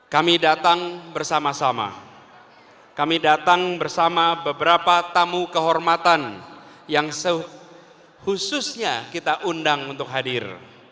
kami datang bersama sama kami datang bersama beberapa tamu kehormatan yang sehususnya kita undang untuk hadir